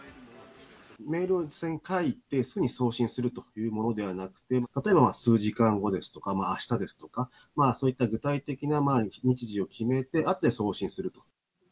メールを実際に書いて、すぐに送信するというものではなくて、例えば数時間後ですとか、あしたですとか、そういった具体的な日時を決めて、あとで送信すると。